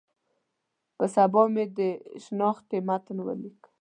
په سبا مې د شنختې متن ولیک.